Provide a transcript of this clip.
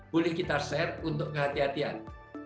boleh kita share untuk kehatian kehatian